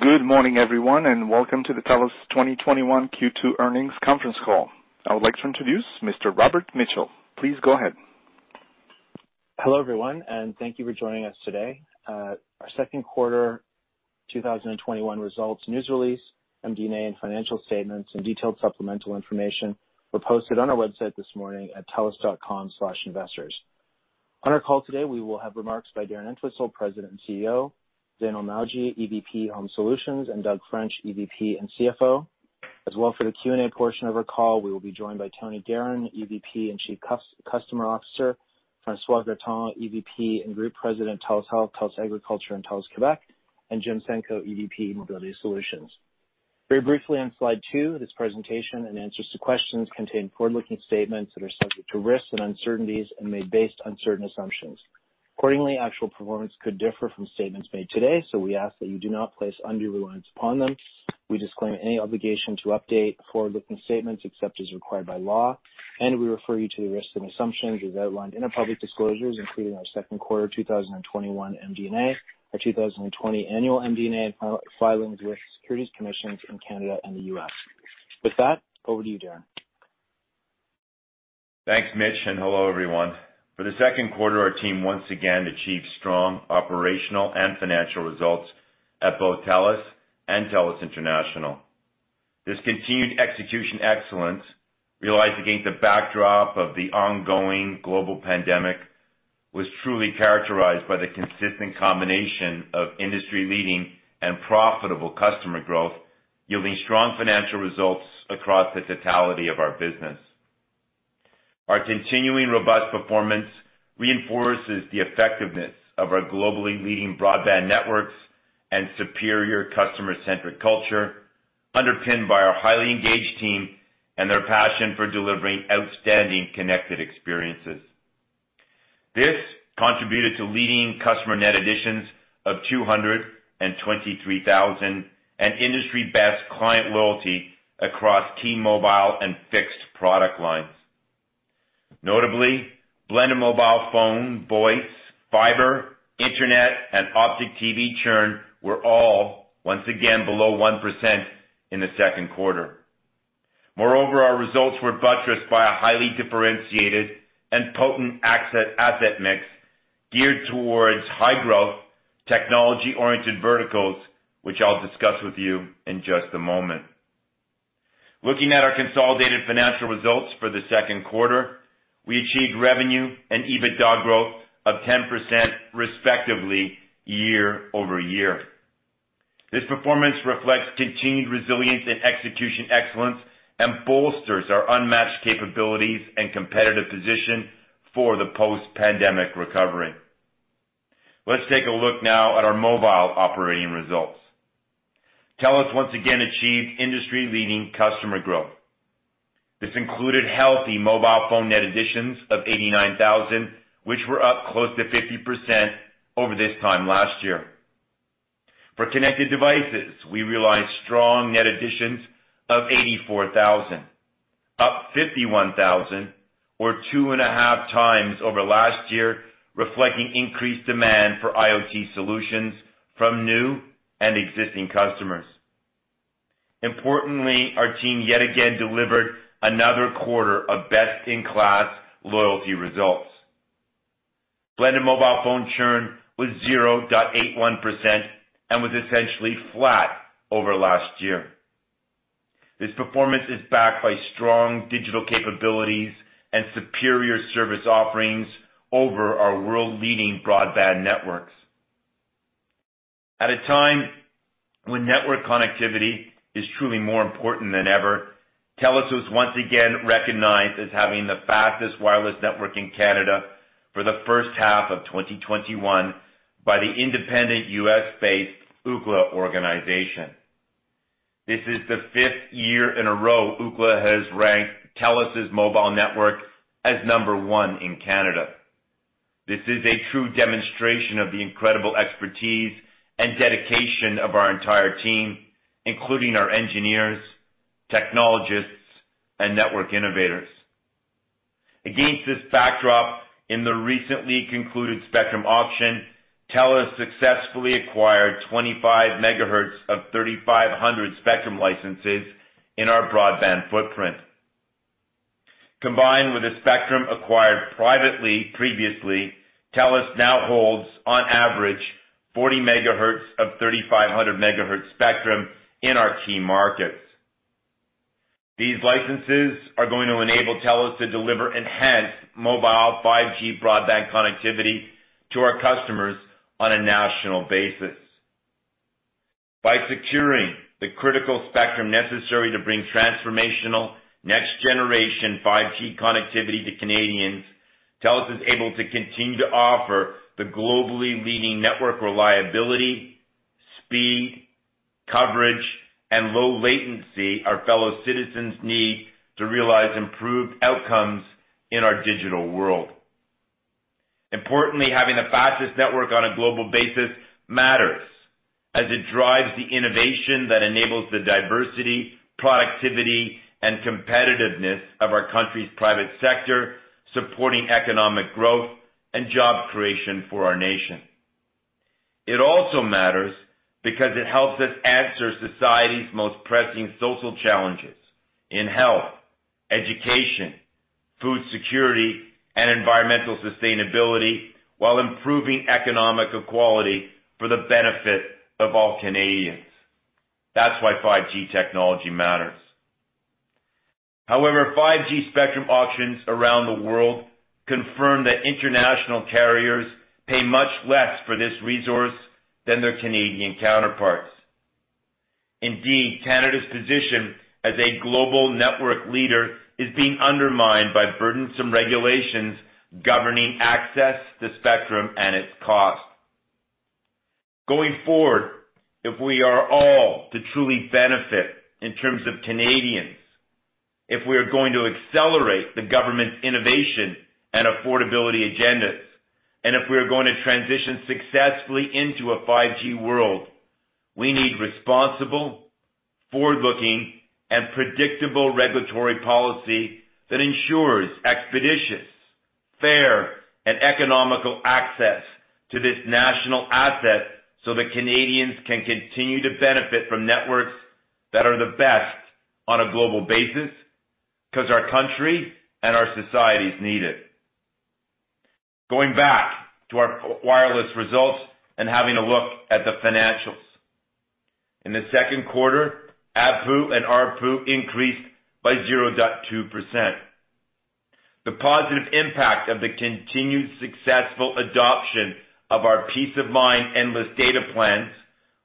Good morning, everyone, and welcome to the TELUS 2021 Q2 earnings conference call. I would like to introduce Mr. Robert Mitchell. Please go ahead. Hello, everyone, and thank you for joining us today. Our second quarter 2021 results news release, MD&A, and financial statements and detailed supplemental information were posted on our website this morning at telus.com/investors. On our call today, we will have remarks by Darren Entwistle, President and CEO, Zainul Mawji, EVP Home Solutions, and Doug French, EVP and CFO. As well for the Q&A portion of our call, we will be joined by Tony Geheran, EVP and Chief Customer Officer, François Gratton, EVP and Group President, TELUS Health, TELUS Agriculture, and TELUS Quebec, and Jim Senko, EVP Mobility Solutions. Very briefly on Slide 2, this presentation and answers to questions contain forward-looking statements that are subject to risks and uncertainties and made based on certain assumptions. Accordingly, actual performance could differ from statements made today, so we ask that you do not place undue reliance upon them. We disclaim any obligation to update forward-looking statements except as required by law. We refer you to the risks and assumptions as outlined in our public disclosures, including our second quarter 2021 MD&A, our 2020 annual MD&A filings with securities commissions in Canada and the U.S. With that, over to you, Darren. Thanks, Mitch, and hello, everyone. For the second quarter, our team once again achieved strong operational and financial results at both TELUS and TELUS International. This continued execution excellence, realized against the backdrop of the ongoing global pandemic, was truly characterized by the consistent combination of industry-leading and profitable customer growth, yielding strong financial results across the totality of our business. Our continuing robust performance reinforces the effectiveness of our globally leading broadband networks and superior customer-centric culture, underpinned by our highly engaged team and their passion for delivering outstanding connected experiences. This contributed to leading customer net additions of 223,000 and industry-best client loyalty across key mobile and fixed product lines. Notably, blended mobile phone, voice, fiber, internet, and Optik TV churn were all once again below 1% in the second quarter. Moreover, our results were buttressed by a highly differentiated and potent asset mix geared towards high-growth, technology-oriented verticals, which I'll discuss with you in just a moment. Looking at our consolidated financial results for the second quarter, we achieved revenue and EBITDA growth of 10% respectively year-over-year. This performance reflects continued resilience in execution excellence and bolsters our unmatched capabilities and competitive position for the post-pandemic recovery. Let's take a look now at our mobile operating results. TELUS once again achieved industry-leading customer growth. This included healthy mobile phone net additions of 89,000, which were up close to 50% over this time last year. For connected devices, we realized strong net additions of 84,000, up 51,000 or 2.5x over last year, reflecting increased demand for IoT solutions from new and existing customers. Importantly, our team yet again delivered another quarter of best-in-class loyalty results. Blended mobile phone churn was 0.81% and was essentially flat over last year. This performance is backed by strong digital capabilities and superior service offerings over our world-leading broadband networks. At a time when network connectivity is truly more important than ever, TELUS was once again recognized as having the fastest wireless network in Canada for the first half of 2021 by the independent U.S.-based Ookla organization. This is the fifth year in a row Ookla has ranked TELUS's mobile network as number one in Canada. This is a true demonstration of the incredible expertise and dedication of our entire team, including our engineers, technologists, and network innovators. Against this backdrop, in the recently concluded spectrum auction, TELUS successfully acquired 25 MHz of 3500 spectrum licenses in our broadband footprint. Combined with the spectrum acquired privately previously, TELUS now holds, on average, 40 MHz of 3500 MHz spectrum in our key markets. These licenses are going to enable TELUS to deliver enhanced mobile 5G broadband connectivity to our customers on a national basis. By securing the critical spectrum necessary to bring transformational next-generation 5G connectivity to Canadians, TELUS is able to continue to offer the globally leading network reliability, speed, coverage, and low latency our fellow citizens need to realize improved outcomes in our digital world. Importantly, having the fastest network on a global basis matters. As it drives the innovation that enables the diversity, productivity, and competitiveness of our country's private sector, supporting economic growth and job creation for our nation. It also matters because it helps us answer society's most pressing social challenges in health, education, food security, and environmental sustainability, while improving economic equality for the benefit of all Canadians. That's why 5G technology matters. 5G spectrum auctions around the world confirm that international carriers pay much less for this resource than their Canadian counterparts. Canada's position as a global network leader is being undermined by burdensome regulations governing access to spectrum and its cost. Going forward, if we are all to truly benefit in terms of Canadians, if we are going to accelerate the government's innovation and affordability agendas, and if we are going to transition successfully into a 5G world, we need responsible, forward-looking, and predictable regulatory policy that ensures expeditious, fair, and economical access to this national asset, so that Canadians can continue to benefit from networks that are the best on a global basis, because our country and our societies need it. Going back to our wireless results and having a look at the financials. In the second quarter, ARPU and ARPU increased by 0.2%. The positive impact of the continued successful adoption of our Peace of Mind endless data plans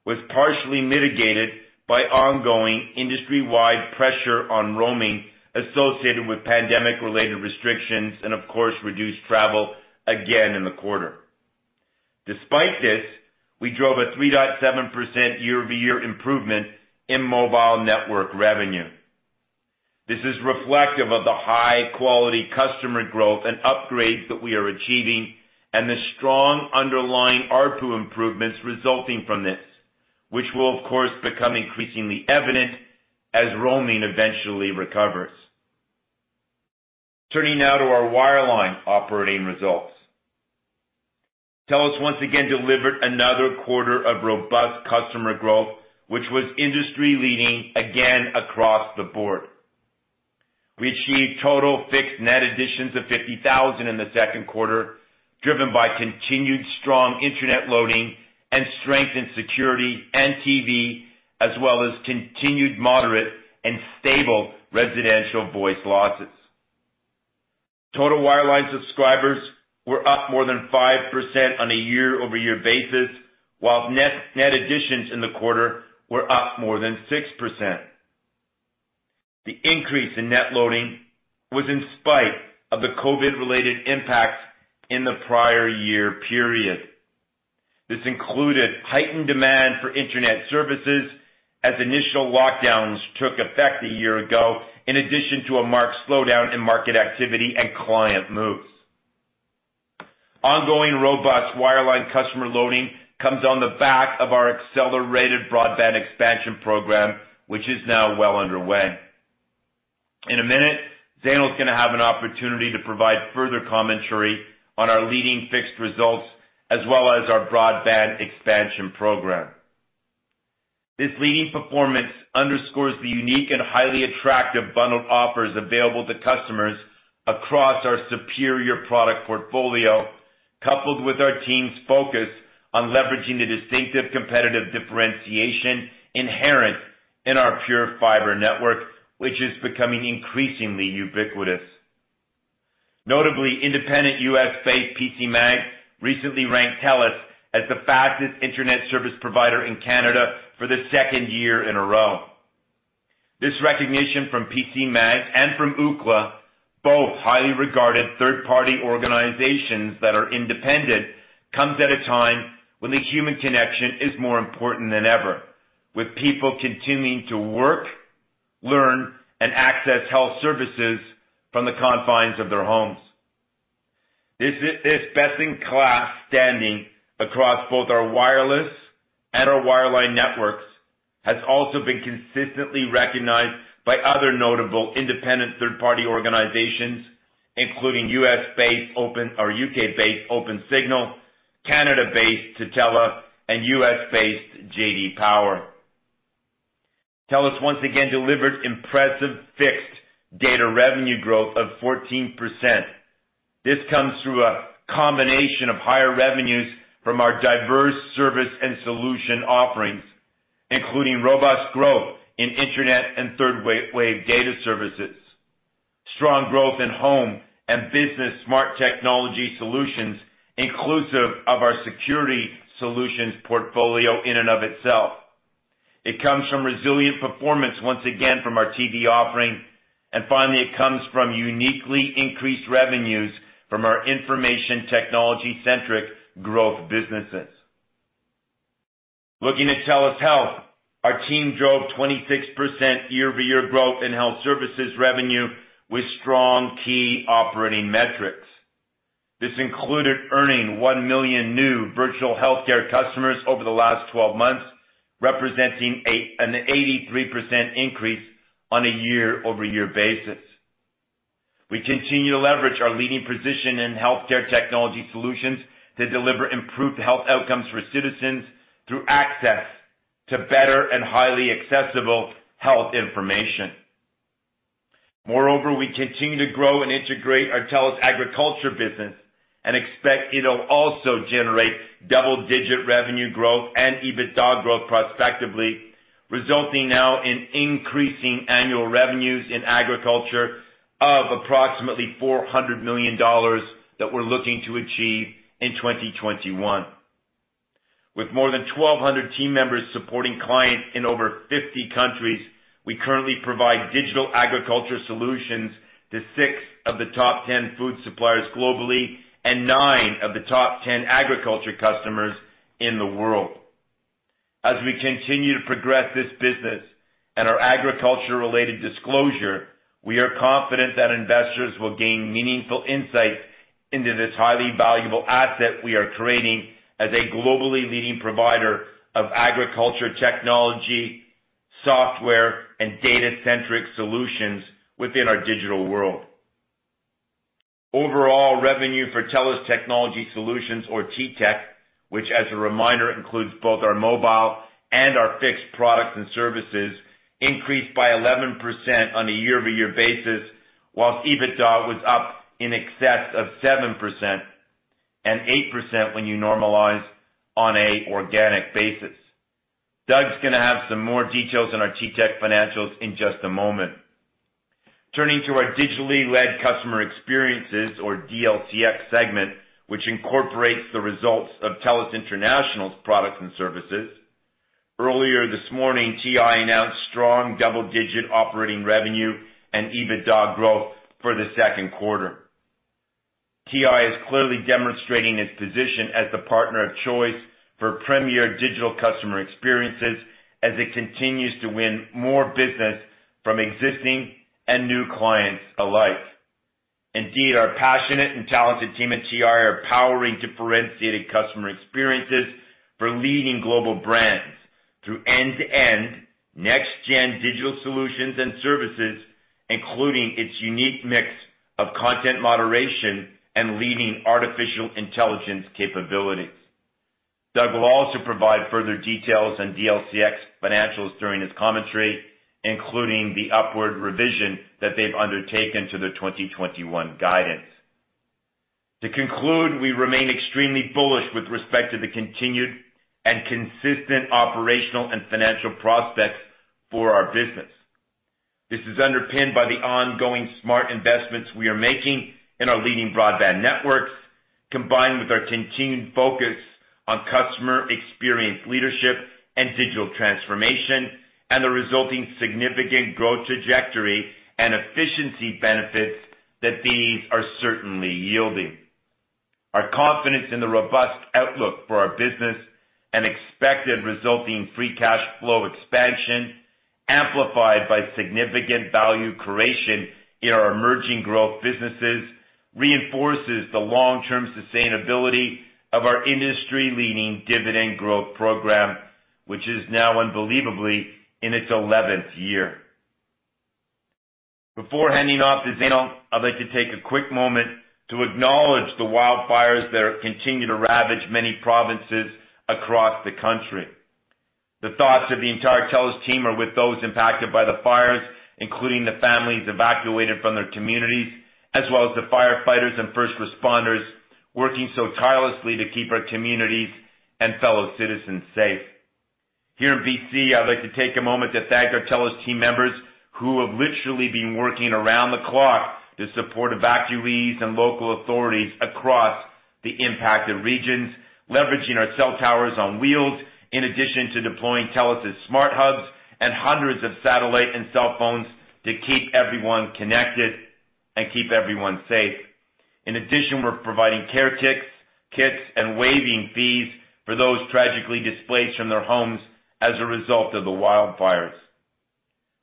was partially mitigated by ongoing industry-wide pressure on roaming associated with pandemic-related restrictions and, of course, reduced travel again in the quarter. Despite this, we drove a 3.7% year-over-year improvement in mobile network revenue. This is reflective of the high-quality customer growth and upgrades that we are achieving and the strong underlying ARPU improvements resulting from this, which will, of course, become increasingly evident as roaming eventually recovers. Turning now to our wireline operating results. TELUS once again delivered another quarter of robust customer growth, which was industry-leading again across the board. We achieved total fixed net additions of 50,000 in the second quarter, driven by continued strong internet loading and strength in security and TV, as well as continued moderate and stable residential voice losses. Total wireline subscribers were up more than 5% on a year-over-year basis, while net additions in the quarter were up more than 6%. The increase in net loading was in spite of the COVID-related impacts in the prior year period. This included heightened demand for internet services as initial lockdowns took effect a year ago, in addition to a marked slowdown in market activity and client moves. Ongoing robust wireline customer loading comes on the back of our accelerated broadband expansion program, which is now well underway. In a minute, Zainul's going to have an opportunity to provide further commentary on our leading fixed results as well as our broadband expansion program. This leading performance underscores the unique and highly attractive bundled offers available to customers across our superior product portfolio, coupled with our team's focus on leveraging the distinctive competitive differentiation inherent in our TELUS PureFibre, which is becoming increasingly ubiquitous. Notably, independent U.S.-based PCMag recently ranked TELUS as the fastest internet service provider in Canada for the second year in a row. This recognition from PCMag and from Ookla, both highly regarded third-party organizations that are independent, comes at a time when the human connection is more important than ever, with people continuing to work, learn, and access health services from the confines of their homes. This best-in-class standing across both our wireless and our wireline networks has also been consistently recognized by other notable independent third-party organizations, including U.K.-based OpenSignal, Canada-based Tutela, and U.S.-based J.D. Power. TELUS once again delivered impressive fixed data revenue growth of 14%. This comes through a combination of higher revenues from our diverse service and solution offerings, including robust growth in internet and third-wave data services, strong growth in home and business smart technology solutions, inclusive of our security solutions portfolio in and of itself. It comes from resilient performance, once again, from our TV offering. Finally, it comes from uniquely increased revenues from our information technology-centric growth businesses. Looking at TELUS Health, our team drove 26% year-over-year growth in health services revenue with strong key operating metrics. This included earning 1 million new virtual healthcare customers over the last 12 months, representing an 83% increase on a year-over-year basis. We continue to leverage our leading position in healthcare technology solutions to deliver improved health outcomes for citizens through access to better and highly accessible health information. Moreover, we continue to grow and integrate our TELUS Agriculture business and expect it'll also generate double-digit revenue growth and EBITDA growth prospectively, resulting now in increasing annual revenues in Agriculture of approximately 400 million dollars that we're looking to achieve in 2021. With more than 1,200 team members supporting clients in over 50 countries, we currently provide digital agriculture solutions to six of the top 10 food suppliers globally and nine of the top 10 agriculture customers in the world. As we continue to progress this business and our agriculture-related disclosure, we are confident that investors will gain meaningful insight into this highly valuable asset we are creating as a globally leading provider of agriculture technology, software, and data-centric solutions within our digital world. Overall, revenue for TELUS Technology Solutions or T-Tech, which as a reminder includes both our mobile and our fixed products and services, increased by 11% on a year-over-year basis, whilst EBITDA was up in excess of 7% and 8% when you normalize on an organic basis. Doug's going to have some more details on our T-Tech financials in just a moment. Turning to our digitally-led customer experiences or DLCX segment, which incorporates the results of TELUS International's products and services. Earlier this morning, TI announced strong double-digit operating revenue and EBITDA growth for the second quarter. TI is clearly demonstrating its position as the partner of choice for premier digital customer experiences as it continues to win more business from existing and new clients alike. Indeed, our passionate and talented team at TI are powering differentiated customer experiences for leading global brands through end-to-end next gen digital solutions and services, including its unique mix of content moderation and leading artificial intelligence capabilities. Doug will also provide further details on DLCX financials during his commentary, including the upward revision that they've undertaken to the 2021 guidance. To conclude, we remain extremely bullish with respect to the continued and consistent operational and financial prospects for our business. This is underpinned by the ongoing smart investments we are making in our leading broadband networks, combined with our continued focus on customer experience leadership and digital transformation, and the resulting significant growth trajectory and efficiency benefits that these are certainly yielding. Our confidence in the robust outlook for our business and expected resulting free cash flow expansion, amplified by significant value creation in our emerging growth businesses, reinforces the long-term sustainability of our industry-leading dividend growth program, which is now unbelievably in its 11th year. Before handing off to Zainul, I'd like to take a quick moment to acknowledge the wildfires that continue to ravage many provinces across the country. The thoughts of the entire TELUS team are with those impacted by the fires, including the families evacuated from their communities, as well as the firefighters and first responders working so tirelessly to keep our communities and fellow citizens safe. Here in B.C., I'd like to take a moment to thank our TELUS team members who have literally been working around the clock to support evacuees and local authorities across the impacted regions, leveraging our cell towers on wheels, in addition to deploying TELUS's smart hubs and hundreds of satellite and cell phones to keep everyone connected and keep everyone safe. In addition, we're providing care kits and waiving fees for those tragically displaced from their homes as a result of the wildfires.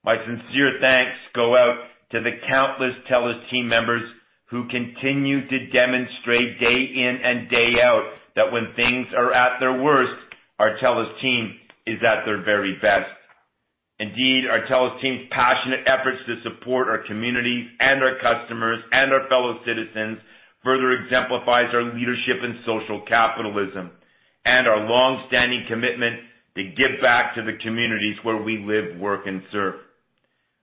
My sincere thanks go out to the countless TELUS team members who continue to demonstrate day in and day out that when things are at their worst, our TELUS team is at their very best. Indeed, our TELUS team's passionate efforts to support our communities and our customers and our fellow citizens further exemplifies our leadership in social capitalism and our long-standing commitment to give back to the communities where we live, work, and serve.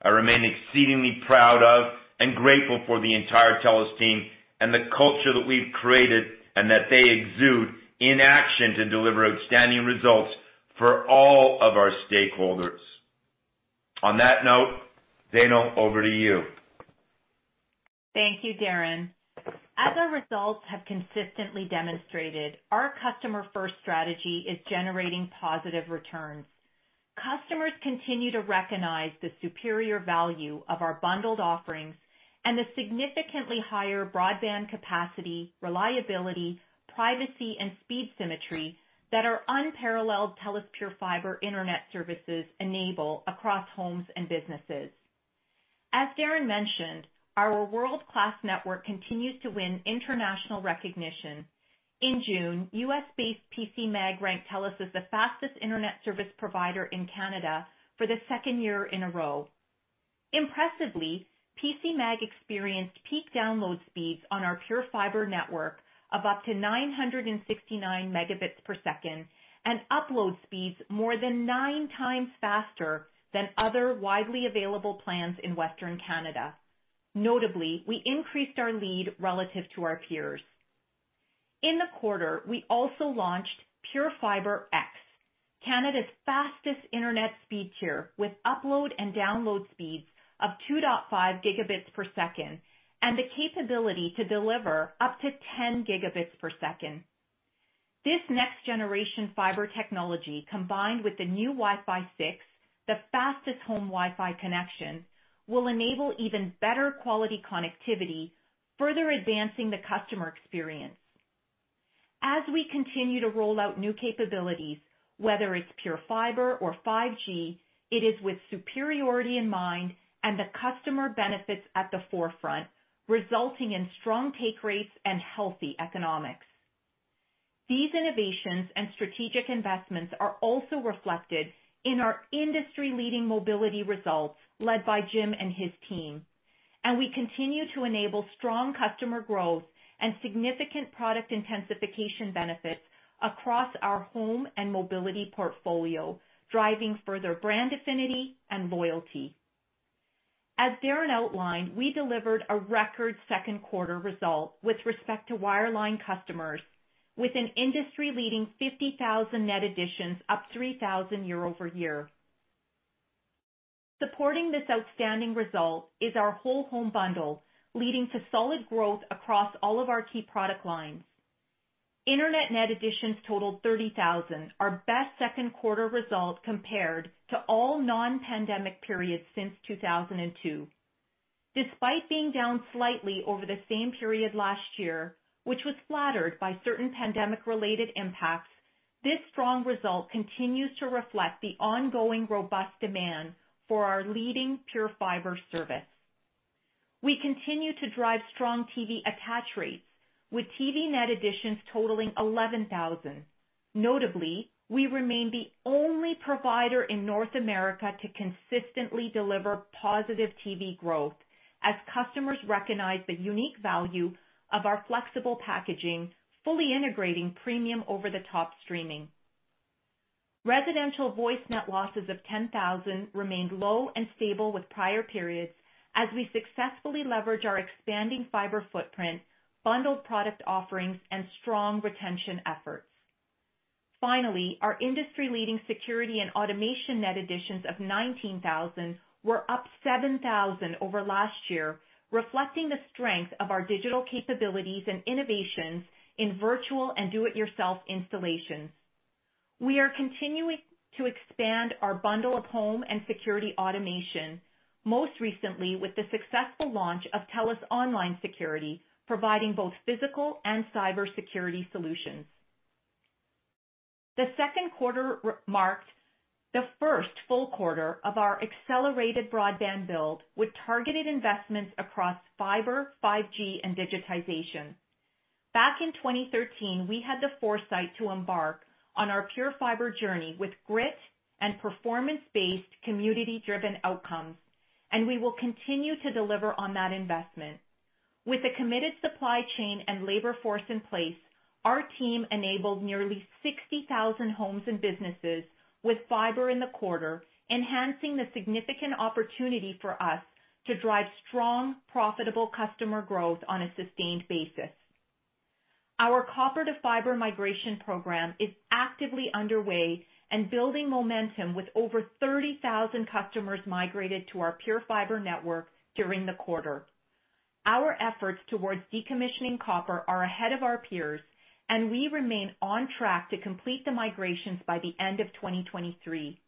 I remain exceedingly proud of and grateful for the entire TELUS team and the culture that we've created and that they exude in action to deliver outstanding results for all of our stakeholders. On that note, Zainul, over to you. Thank you, Darren. As our results have consistently demonstrated, our customer-first strategy is generating positive returns. Customers continue to recognize the superior value of our bundled offerings and the significantly higher broadband capacity, reliability, privacy, and speed symmetry that our unparalleled TELUS PureFibre internet services enable across homes and businesses. As Darren mentioned, our world-class network continues to win international recognition. In June, U.S.-based PCMag ranked TELUS as the fastest internet service provider in Canada for the second year in a row. Impressively, PCMag experienced peak download speeds on our TELUS PureFibre network of up to 969 Mbps and upload speeds more than 9x faster than other widely available plans in Western Canada. Notably, we increased our lead relative to our peers. In the quarter, we also launched PureFibre X, Canada's fastest internet speed tier, with upload and download speeds of 2.5 Gbps and the capability to deliver up to 10 Gbps. This next-generation fibre technology, combined with the new Wi-Fi 6, the fastest home Wi-Fi connection, will enable even better quality connectivity, further advancing the customer experience. As we continue to roll out new capabilities, whether it's PureFibre or 5G, it is with superiority in mind and the customer benefits at the forefront, resulting in strong take rates and healthy economics. These innovations and strategic investments are also reflected in our industry-leading mobility results led by Jim and his team. We continue to enable strong customer growth and significant product intensification benefits across our home and mobility portfolio, driving further brand affinity and loyalty. As Darren outlined, we delivered a record second quarter result with respect to wireline customers with an industry-leading 50,000 net additions, up 3,000 year-over-year. Supporting this outstanding result is our whole home bundle, leading to solid growth across all of our key product lines. Internet net additions totaled 30,000, our best second quarter result compared to all non-pandemic periods since 2002. Despite being down slightly over the same period last year, which was flattered by certain pandemic-related impacts, this strong result continues to reflect the ongoing robust demand for our leading TELUS PureFibre service. We continue to drive strong TV attach rates, with TV net additions totaling 11,000. Notably, we remain the only provider in North America to consistently deliver positive TV growth as customers recognize the unique value of our flexible packaging, fully integrating premium over-the-top streaming. Residential voice net losses of 10,000 remained low and stable with prior periods as we successfully leverage our expanding fiber footprint, bundled product offerings, and strong retention efforts. Our industry-leading security and automation net additions of 19,000 were up 7,000 over last year, reflecting the strength of our digital capabilities and innovations in virtual and do-it-yourself installations. We are continuing to expand our bundle of home and security automation, most recently with the successful launch of TELUS Online Security, providing both physical and cyber security solutions. The second quarter marked the first full quarter of our accelerated broadband build with targeted investments across fiber, 5G, and digitization. Back in 2013, we had the foresight to embark on our pure fiber journey with grit and performance-based, community-driven outcomes, and we will continue to deliver on that investment. With a committed supply chain and labor force in place, our team enabled nearly 60,000 homes and businesses with fibre in the quarter, enhancing the significant opportunity for us to drive strong, profitable customer growth on a sustained basis. Our copper-to-fibre migration program is actively underway and building momentum with over 30,000 customers migrated to our PureFibre network during the quarter. Our efforts towards decommissioning copper are ahead of our peers, and we remain on track to complete the migrations by the end of 2023.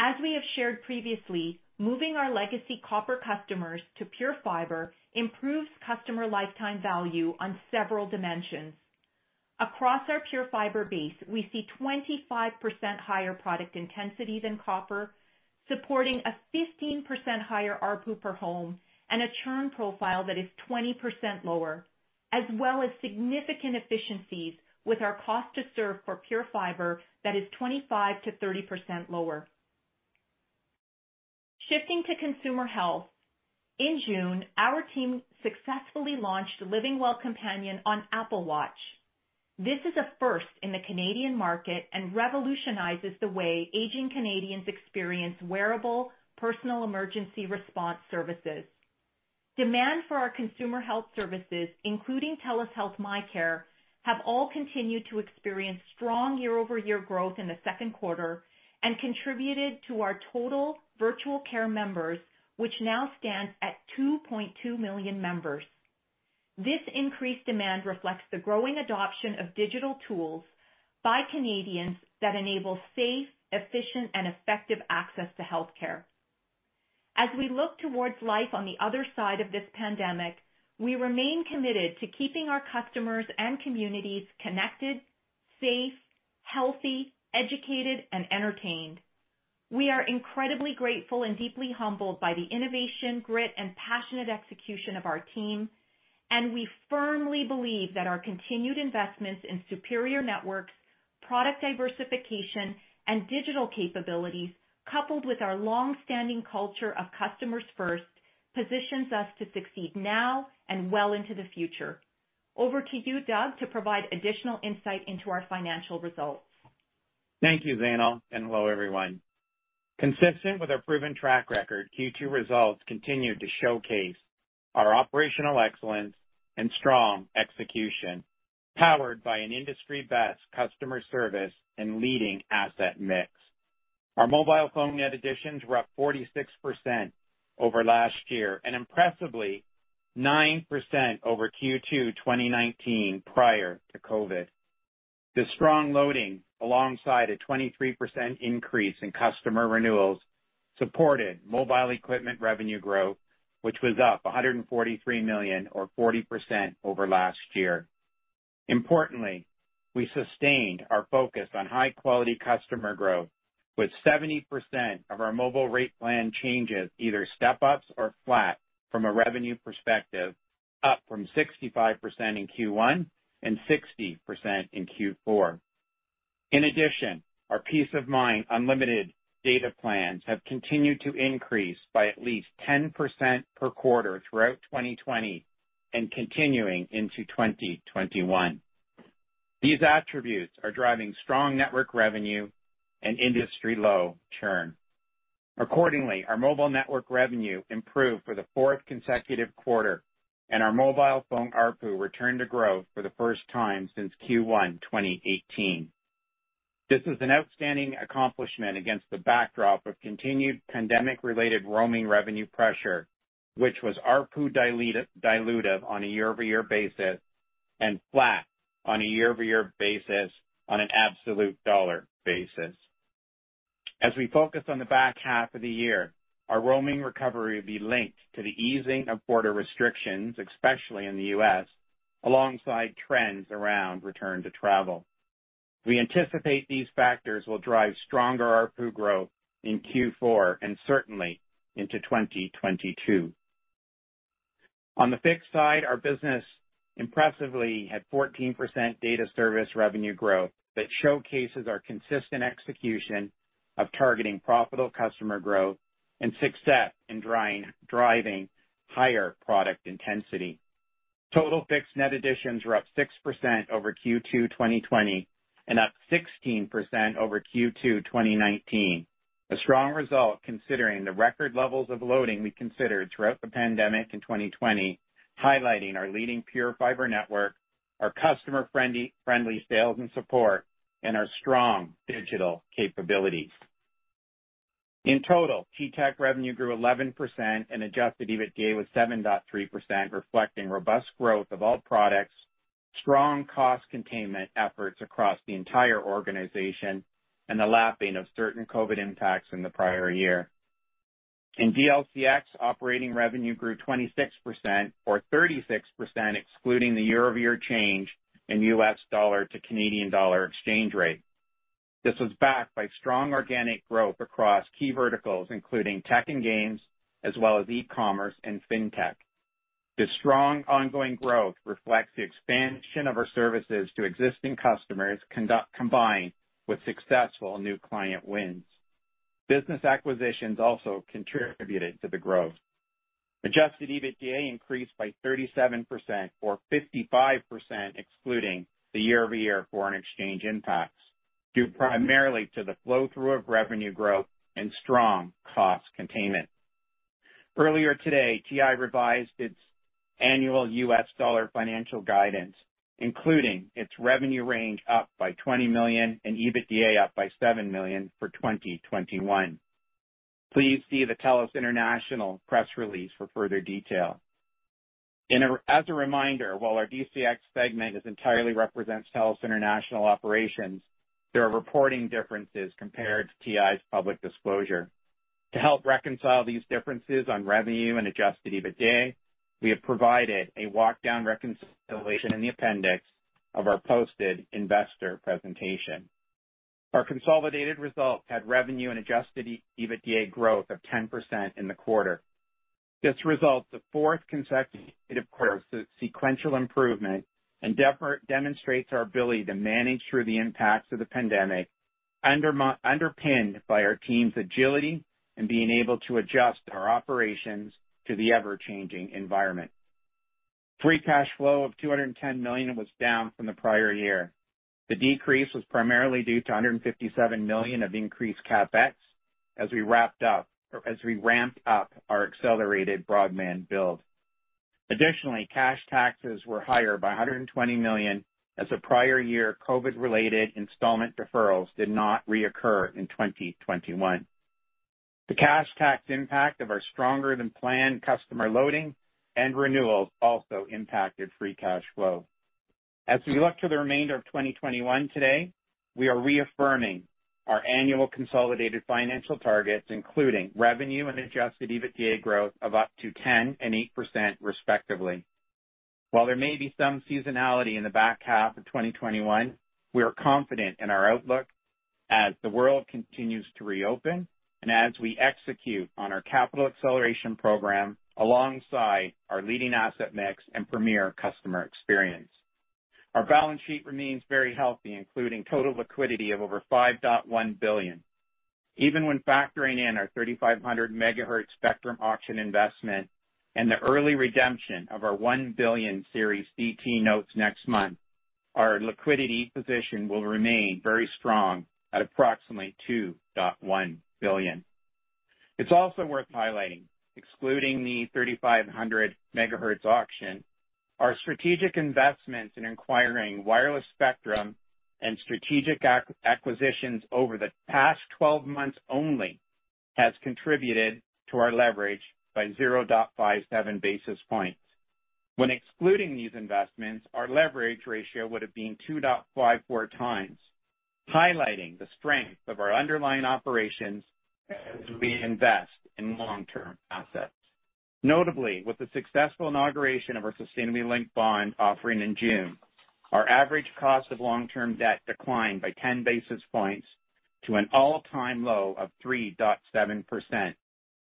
As we have shared previously, moving our legacy copper customers to PureFibre improves customer lifetime value on several dimensions. Across our PureFibre base, we see 25% higher product intensity than copper, supporting a 15% higher ARPU per home and a churn profile that is 20% lower, as well as significant efficiencies with our cost to serve for PureFibre that is 25%-30% lower. Shifting to consumer health, in June, our team successfully launched LivingWell Companion on Apple Watch. This is a first in the Canadian market and revolutionizes the way aging Canadians experience wearable personal emergency response services. Demand for our consumer health services, including TELUS Health MyCare, have all continued to experience strong year-over-year growth in the second quarter and contributed to our total virtual care members, which now stands at 2.2 million members. This increased demand reflects the growing adoption of digital tools by Canadians that enable safe, efficient, and effective access to healthcare. As we look towards life on the other side of this pandemic, we remain committed to keeping our customers and communities connected, safe, healthy, educated, and entertained. We are incredibly grateful and deeply humbled by the innovation, grit, and passionate execution of our team. We firmly believe that our continued investments in superior networks, product diversification, and digital capabilities, coupled with our long-standing culture of customers first, positions us to succeed now and well into the future. Over to you, Doug, to provide additional insight into our financial results. Thank you, Zainul, and hello, everyone. Consistent with our proven track record, Q2 results continued to showcase our operational excellence and strong execution, powered by an industry-best customer service and leading asset mix. Our mobile phone net additions were up 46% over last year, and impressively, 9% over Q2 2019, prior to COVID. The strong loading, alongside a 23% increase in customer renewals, supported mobile equipment revenue growth, which was up 143 million or 40% over last year. Importantly, we sustained our focus on high-quality customer growth, with 70% of our mobile rate plan changes either step-ups or flat from a revenue perspective, up from 65% in Q1 and 60% in Q4. In addition, our Peace of Mind unlimited data plans have continued to increase by at least 10% per quarter throughout 2020 and continuing into 2021. These attributes are driving strong network revenue and industry-low churn. Our mobile network revenue improved for the fourth consecutive quarter, and our mobile phone ARPU returned to growth for the first time since Q1 2018. This is an outstanding accomplishment against the backdrop of continued pandemic-related roaming revenue pressure, which was ARPU dilutive on a year-over-year basis and flat on a year-over-year basis on an absolute dollar basis. As we focus on the back half of the year, our roaming recovery will be linked to the easing of border restrictions, especially in the U.S., alongside trends around return to travel. We anticipate these factors will drive stronger ARPU growth in Q4, and certainly into 2022. On the fixed side, our business impressively had 14% data service revenue growth that showcases our consistent execution of targeting profitable customer growth and success in driving higher product intensity. Total fixed net additions were up 6% over Q2 2020, Up 16% over Q2 2019, a strong result considering the record levels of loading we considered throughout the pandemic in 2020, highlighting our leading PureFibre network, our customer-friendly sales and support, and our strong digital capabilities. In total, T-Tech revenue grew 11% and adjusted EBITDA was 7.3%, reflecting robust growth of all products, strong cost containment efforts across the entire organization, and the lapping of certain COVID impacts in the prior year. In DLCX, operating revenue grew 26%, or 36% excluding the year-over-year change in U.S. dollar to Canadian dollar exchange rate. This was backed by strong organic growth across key verticals, including tech and games, as well as e-commerce and fintech. This strong ongoing growth reflects the expansion of our services to existing customers, combined with successful new client wins. Business acquisitions also contributed to the growth. Adjusted EBITDA increased by 37%, or 55% excluding the year-over-year foreign exchange impacts, due primarily to the flow-through of revenue growth and strong cost containment. Earlier today, TI revised its annual U.S. dollar financial guidance, including its revenue range up by $20 million and EBITDA up by $7 million for 2021. Please see the TELUS International press release for further detail. As a reminder, while our DLCX segment entirely represents TELUS International operations, there are reporting differences compared to TI's public disclosure. To help reconcile these differences on revenue and adjusted EBITDA, we have provided a walk-down reconciliation in the appendix of our posted investor presentation. Our consolidated results had revenue and adjusted EBITDA growth of 10% in the quarter. This result is the fourth consecutive quarter of sequential improvement and demonstrates our ability to manage through the impacts of the pandemic, underpinned by our team's agility in being able to adjust our operations to the ever-changing environment. Free cash flow of 210 million was down from the prior year. The decrease was primarily due to 157 million of increased CapEx as we ramped up our accelerated broadband build. Additionally, cash taxes were higher by 120 million, as the prior year COVID-related installment deferrals did not reoccur in 2021. The cash tax impact of our stronger than planned customer loading and renewals also impacted free cash flow. As we look to the remainder of 2021 today, we are reaffirming our annual consolidated financial targets, including revenue and adjusted EBITDA growth of up to 10% and 8%, respectively. While there may be some seasonality in the back half of 2021, we are confident in our outlook as the world continues to reopen and as we execute on our capital acceleration program alongside our leading asset mix and premier customer experience. Our balance sheet remains very healthy, including total liquidity of over 5.1 billion. Even when factoring in our 3500 MHz spectrum auction investment and the early redemption of our 1 billion series CT notes next month, our liquidity position will remain very strong at approximately 2.1 billion. It's also worth highlighting, excluding the 3,500 MHz auction, our strategic investments in acquiring wireless spectrum and strategic acquisitions over the past 12 months only has contributed to our leverage by 0.57 basis points. When excluding these investments, our leverage ratio would have been 2.54x, highlighting the strength of our underlying operations as we invest in long-term assets. Notably, with the successful inauguration of our Sustainability-Linked Bond offering in June, our average cost of long-term debt declined by 10 basis points to an all-time low of 3.7%,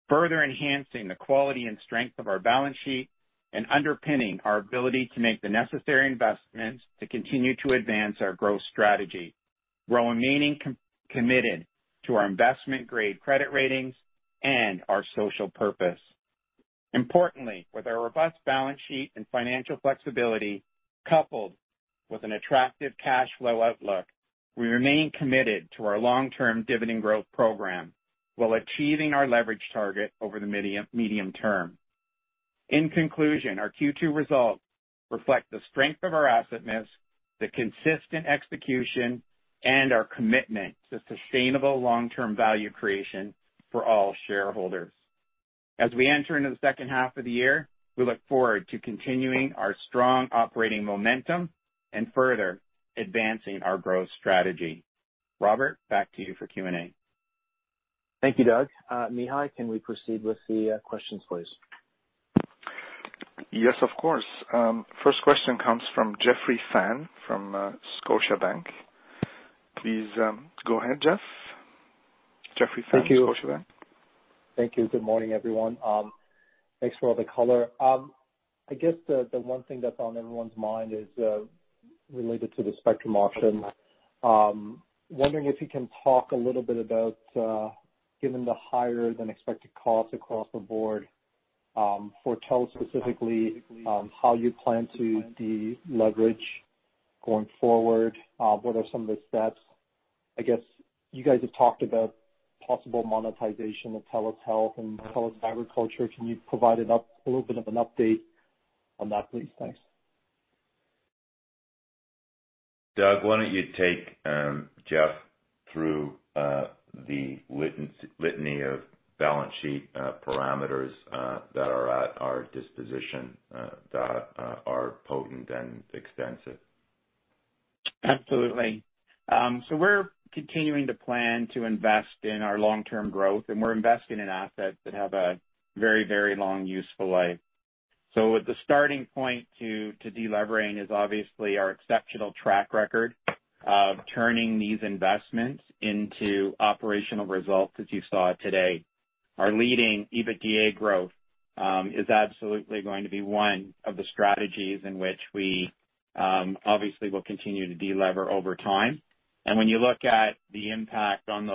further enhancing the quality and strength of our balance sheet and underpinning our ability to make the necessary investments to continue to advance our growth strategy. We're remaining committed to our investment-grade credit ratings and our social purpose. Importantly, with our robust balance sheet and financial flexibility, coupled with an attractive cash flow outlook, we remain committed to our long-term dividend growth program while achieving our leverage target over the medium-term. In conclusion, our Q2 results reflect the strength of our asset mix, the consistent execution, and our commitment to sustainable long-term value creation for all shareholders. As we enter into the second half of the year, we look forward to continuing our strong operating momentum and further advancing our growth strategy. Robert, back to you for Q&A. Thank you, Doug. Mihai, can we proceed with the questions, please? Yes, of course. First question comes from Jeffrey Fan from Scotiabank. Please go ahead, Jeff. Jeffrey Fan, Scotiabank. Thank you. Good morning, everyone. Thanks for all the color. The one thing that's on everyone's mind is related to the spectrum auction. Wondering if you can talk a little bit about, given the higher than expected cost across the board for TELUS, specifically how you plan to deleverage going forward? What are some of the steps? You guys have talked about possible monetization of TELUS Health and TELUS Agriculture. Can you provide a little bit of an update on that, please? Thanks. Doug, why don't you take Jeff through the litany of balance sheet parameters that are at our disposition that are potent and extensive? Absolutely. We're continuing to plan to invest in our long-term growth, and we're investing in assets that have a very long useful life. The starting point to delevering is obviously our exceptional track record of turning these investments into operational results, as you saw today. Our leading EBITDA growth is absolutely going to be one of the strategies in which we obviously will continue to delever over time. When you look at the impact on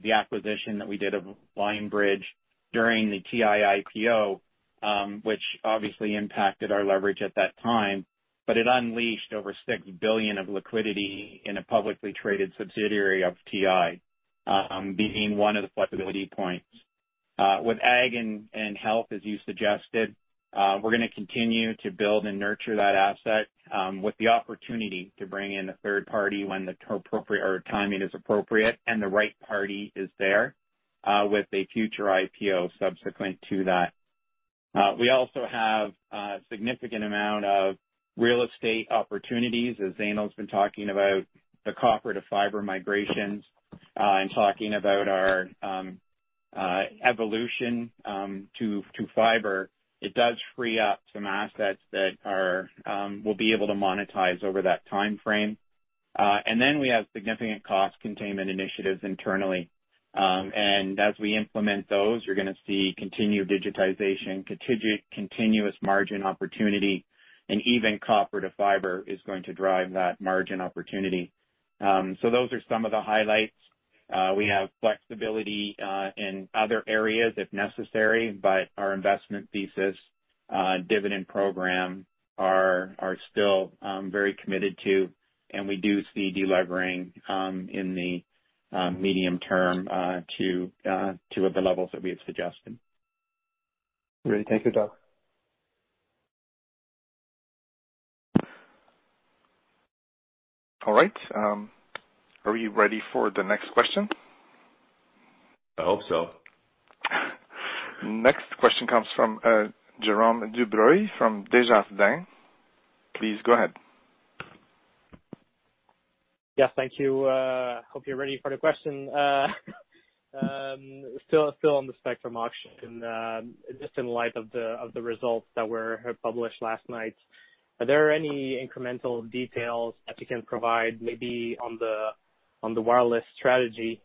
the acquisition that we did of Lionbridge during the TI IPO, which obviously impacted our leverage at that time, but it unleashed over 6 billion of liquidity in a publicly traded subsidiary of TI, being one of the flexibility points. With Ag and Health, as you suggested, we're going to continue to build and nurture that asset with the opportunity to bring in a third party when the timing is appropriate and the right party is there with a future IPO subsequent to that. We also have a significant amount of real estate opportunities. As Zainul's been talking about the copper-to-fiber migrations and talking about our evolution to fiber, it does free up some assets that we'll be able to monetize over that timeframe. We have significant cost containment initiatives internally. As we implement those, you're going to see continued digitization, continuous margin opportunity, and even copper-to-fiber is going to drive that margin opportunity. Those are some of the highlights. We have flexibility in other areas if necessary, but our investment thesis dividend program are still very committed to, and we do see delevering in the medium-term to the levels that we had suggested. Great. Thank you, Doug. All right. Are we ready for the next question? I hope so. Next question comes from Jerome Dubreuil from Desjardins. Please go ahead. Yes, thank you. Hope you're ready for the question. Still on the spectrum auction, just in light of the results that were published last night, are there any incremental details that you can provide maybe on the wireless strategy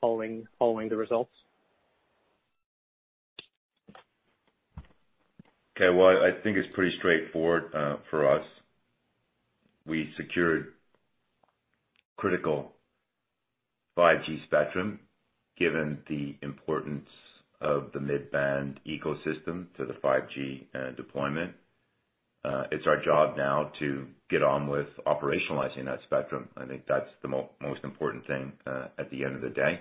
following the results? Okay. Well, I think it's pretty straightforward for us. We secured critical 5G spectrum, given the importance of the mid-band ecosystem to the 5G deployment. It's our job now to get on with operationalizing that spectrum. I think that's the most important thing at the end of the day.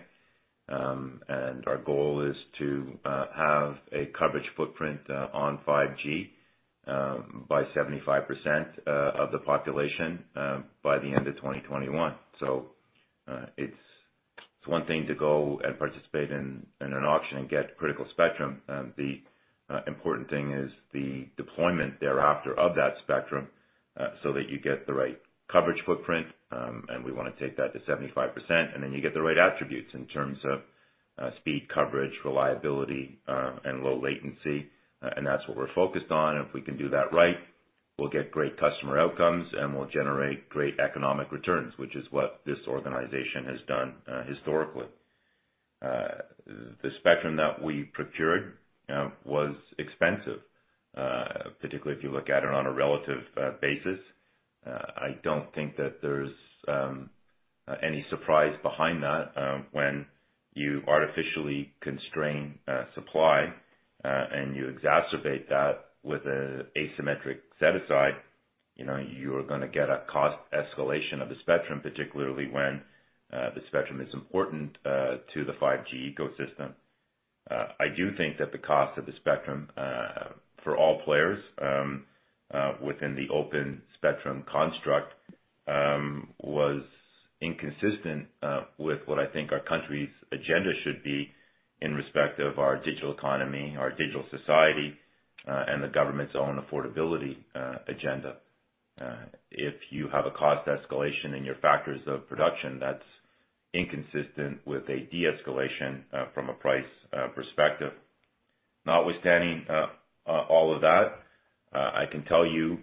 Our goal is to have a coverage footprint on 5G, by 75% of the population by the end of 2021. It's one thing to go and participate in an auction and get critical spectrum. The important thing is the deployment thereafter of that spectrum, so that you get the right coverage footprint, and we want to take that to 75%. Then you get the right attributes in terms of speed, coverage, reliability, and low latency. That's what we're focused on. If we can do that right, we'll get great customer outcomes, and we'll generate great economic returns, which is what this organization has done historically. The spectrum that we procured was expensive, particularly if you look at it on a relative basis. I don't think that there's any surprise behind that when you artificially constrain supply, and you exacerbate that with an asymmetric set aside, you're going to get a cost escalation of the spectrum, particularly when the spectrum is important to the 5G ecosystem. I do think that the cost of the spectrum for all players within the open spectrum construct was inconsistent with what I think our country's agenda should be in respect of our digital economy, our digital society, and the government's own affordability agenda. If you have a cost escalation in your factors of production, that's inconsistent with a de-escalation from a price perspective. Notwithstanding all of that, I can tell you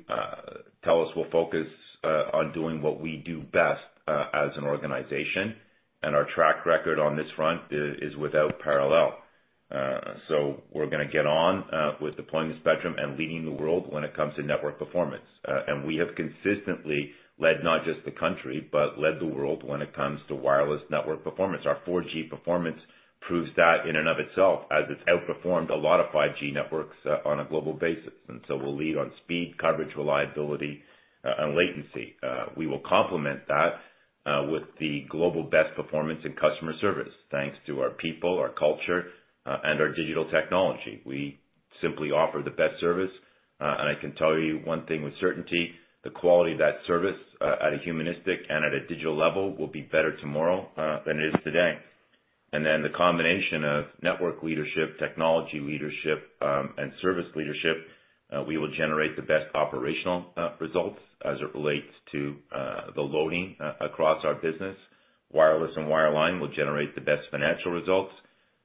TELUS will focus on doing what we do best as an organization. Our track record on this front is without parallel. We're going to get on with deploying the spectrum and leading the world when it comes to network performance. We have consistently led not just the country, but led the world when it comes to wireless network performance. Our 4G performance proves that in and of itself as it's outperformed a lot of 5G networks on a global basis. We'll lead on speed, coverage, reliability, and latency. We will complement that with the global best performance in customer service. Thanks to our people, our culture, and our digital technology. We simply offer the best service. I can tell you one thing with certainty, the quality of that service at a humanistic and at a digital level will be better tomorrow than it is today. The combination of network leadership, technology leadership, and service leadership, we will generate the best operational results as it relates to the loading across our business. Wireless and wireline will generate the best financial results,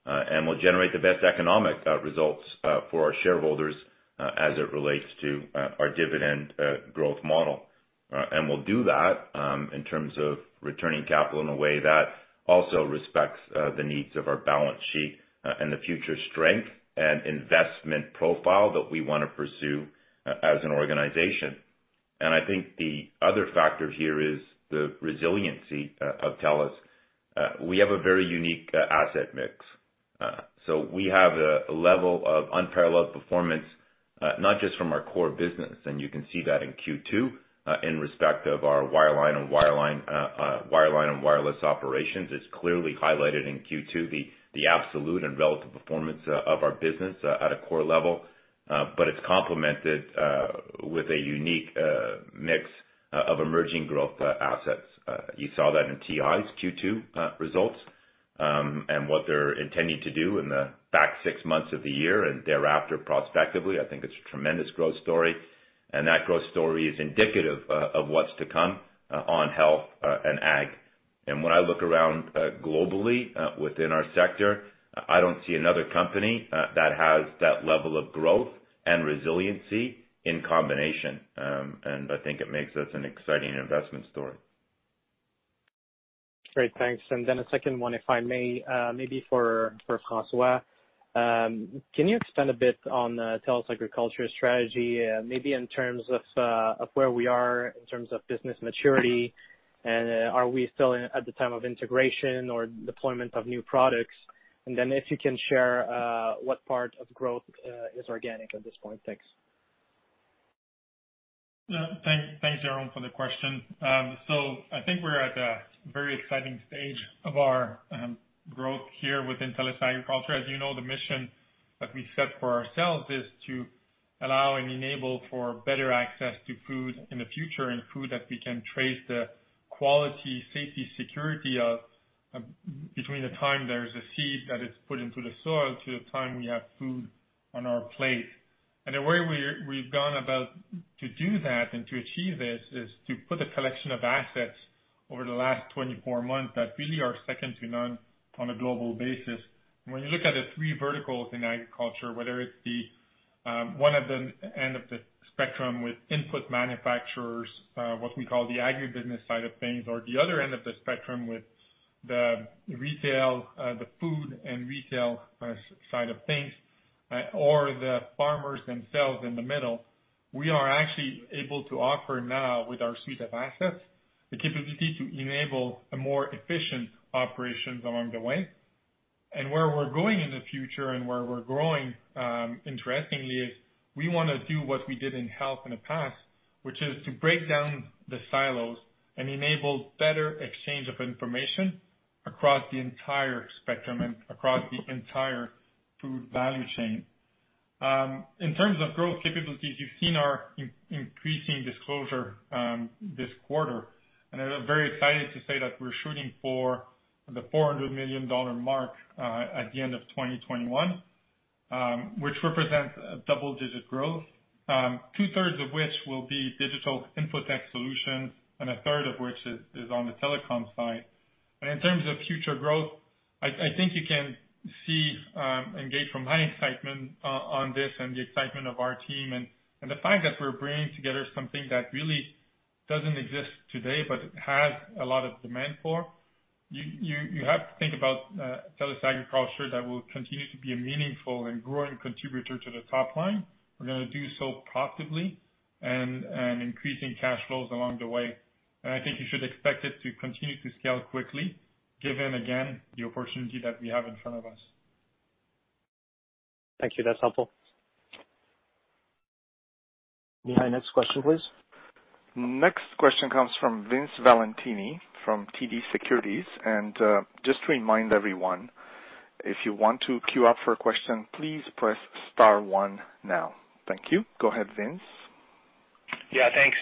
and will generate the best economic results for our shareholders as it relates to our dividend growth model. We'll do that in terms of returning capital in a way that also respects the needs of our balance sheet and the future strength and investment profile that we want to pursue as an organization. I think the other factor here is the resiliency of TELUS. We have a very unique asset mix. We have a level of unparalleled performance, not just from our core business, and you can see that in Q2 in respect of our wireline and wireless operations. It's clearly highlighted in Q2 the absolute and relative performance of our business at a core level. It's complemented with a unique mix of emerging growth assets. You saw that in TI's Q2 results, and what they're intending to do in the back six months of the year and thereafter prospectively. I think it's a tremendous growth story, and that growth story is indicative of what's to come on Health and Ag. When I look around globally within our sector, I don't see another company that has that level of growth and resiliency in combination. I think it makes us an exciting investment story. Great. Thanks. A second one, if I may, maybe for François. Can you expand a bit on TELUS Agriculture's strategy, maybe in terms of where we are in terms of business maturity and are we still at the time of integration or deployment of new products? If you can share what part of growth is organic at this point. Thanks. Thanks, Jerome, for the question. I think we're at a very exciting stage of our growth here within TELUS Agriculture. As you know, the mission that we set for ourselves is to allow and enable for better access to food in the future and food that we can trace the quality, safety, security of between the time there's a seed that is put into the soil to the time we have food on our plate. The way we've gone about to do that and to achieve this is to put a collection of assets over the last 24 months that really are second to none on a global basis. When you look at the three verticals in Agriculture, whether it's the one at the end of the spectrum with input manufacturers, what we call the agribusiness side of things, or the other end of the spectrum with the food and retail side of things, or the farmers themselves in the middle, we are actually able to offer now with our suite of assets, the capability to enable a more efficient operations along the way. Where we're going in the future and where we're growing, interestingly, is we want to do what we did in Health in the past, which is to break down the silos and enable better exchange of information across the entire spectrum and across the entire food value chain. In terms of growth capabilities, you've seen our increasing disclosure this quarter. I'm very excited to say that we're shooting for the 400 million dollar mark at the end of 2021, which represents a double-digit growth. 2/3 of which will be digital input tech solutions, a third of which is on the telecom side. In terms of future growth, I think you can see and gauge from my excitement on this and the excitement of our team, and the fact that we're bringing together something that really doesn't exist today but has a lot of demand for, you have to think about TELUS Agriculture that will continue to be a meaningful and growing contributor to the top line. We're going to do so profitably and increasing cash flows along the way. I think you should expect it to continue to scale quickly, given, again, the opportunity that we have in front of us. Thank you. That's helpful. Yeah. Next question, please. Next question comes from Vince Valentini of TD Securities. Just to remind everyone, if you want to queue up for a question, please press star one now. Thank you. Go ahead, Vince. Yeah, thanks.